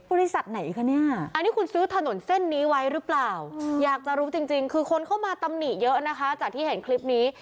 ปริศัทธ์ไหนแค่นี้